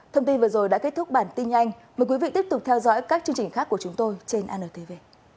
thông tin vừa rồi đã kết thúc bản tin nhanh mời quý vị tiếp tục theo dõi các chương trình khác của chúng tôi trên antv